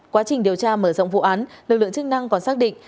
quá trình điều tra mở rộng vụ án lực lượng chức năng còn xác định